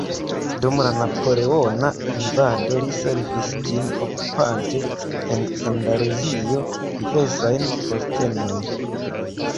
Dum la napoleona invado li servis ĝin okupante en Andaluzio diversajn postenojn.